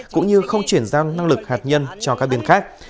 cũng như không chuyển giao năng lực hạt nhân cho các bên khác